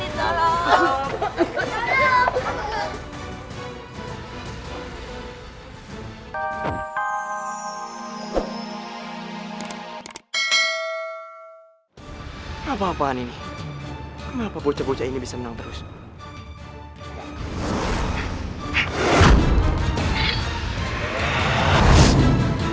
sampai jumpa di video selanjutnya